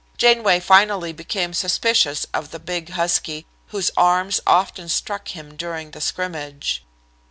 Janeway finally became suspicious of the big husky, whose arms often struck him during the scrimmage.